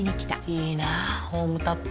いいなホームタップ。